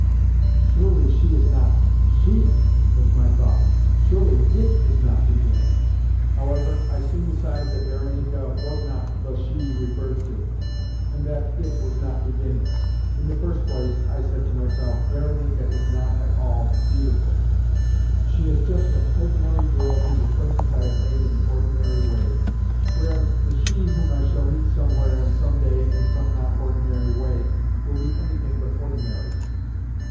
"Surely she is not SHE?" was my thought. "Surely IT is not beginning?" However, I soon decided that Varenika was not the "SHE" referred to, and that "it" was not "beginning." "In the first place," I said to myself, "Varenika is not at all BEAUTIFUL. She is just an ordinary girl whose acquaintance I have made in the ordinary way, whereas the she whom I shall meet somewhere and some day and in some not ordinary way will be anything but ordinary.